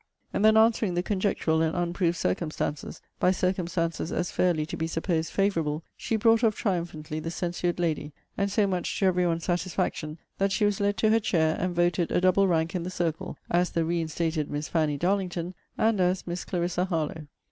And then answering the conjectural and unproved circumstances, by circumstances as fairly to be supposed favourable, she brought off triumphantly the censured lady; and so much to every one's satisfaction, that she was led to her chair, and voted a double rank in the circle, as the reinstated Miss Fanny Darlington, and as Miss Clarissa Harlowe.